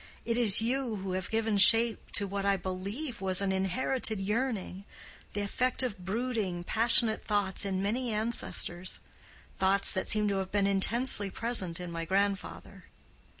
It is you who have given shape to what, I believe, was an inherited yearning—the effect of brooding, passionate thoughts in many ancestors—thoughts that seem to have been intensely present in my grandfather.